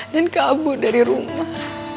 dan kabur dari rumah